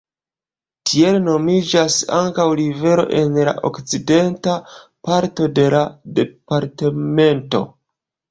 Tiel nomiĝas ankaŭ rivero en la okcidenta parto de la departemento.